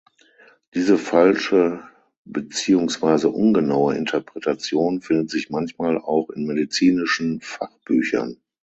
Diese falsche beziehungsweise ungenaue Interpretation findet sich manchmal auch in medizinischen Fachbüchern.